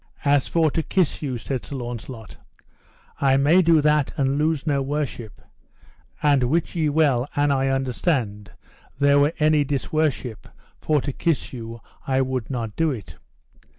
As for to kiss you, said Sir Launcelot, I may do that and lose no worship; and wit ye well an I understood there were any disworship for to kiss you I would not do it.